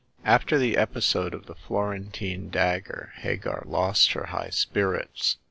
After the episode of the Florentine Dante, Hagar lost her high spirits.